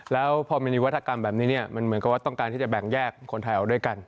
แล้วพอมีนิวัตกรรมแบบนี้เนี่ยมันเหมือนกับว่าต้องการที่จะแบ่งแยกคนไทยออกด้วยกัน